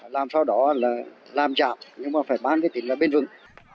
làm sau đó là làm chạm nhưng mà phải bán với tỉnh là bên vương